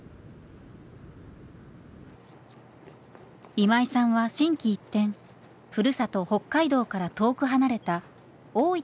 今井さんは心機一転ふるさと北海道から遠く離れた大分の大学に進学しました。